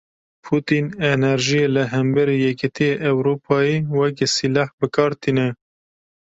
Putîn, enerjiyê li hemberî Yekîtiya Ewropayê wekî sîleh bi kar tîne.